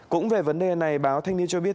cũng về vấn đề này báo thanh niên cho biết